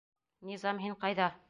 Низам, һин ҡайҙа?